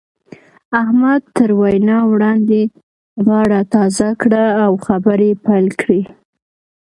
احمد تر وينا وړاندې غاړه تازه کړه او خبرې يې پيل کړې.